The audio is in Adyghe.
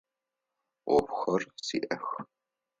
Ӏофхэр сиӏэх.